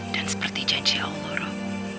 dan seperti janji allah rob